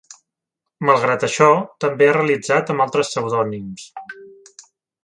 Malgrat això, també ha realitzat amb altres pseudònims.